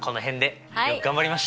よく頑張りました！